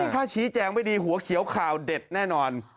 ถ้าชี้แจงไม่ดีหัวเขียวข่าวเด็ดแน่นอน